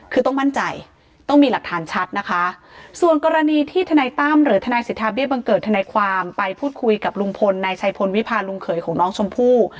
คือต้องมั่นใจต้องมีหลักฐานชัดนะคะส่วนกรณีที่ทนายตั้มหรือทนายสิทธาเบี้ยบังเกิดทนายความไปพูดคุยกับลุงพลนายชัยพลวิพาลุงเขยของน้องชมพู่